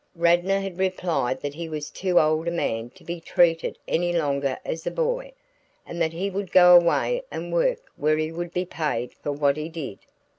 Radnor had replied that he was too old a man to be treated any longer as a boy, and that he would go away and work where he would be paid for what he did.